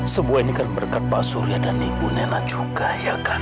semua ini kan berkat pak surya dan ibu nena juga ya kan